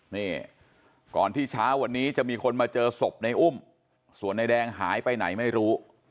นี่ก่อนที่เช้าวันนี้จะมีคนมาเจอศพในอุ้มส่วนนายแดงหายไปไหนไม่รู้